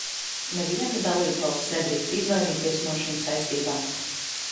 Neviena dalībvalsts nedrīkst izvairīties no šīm saistībām.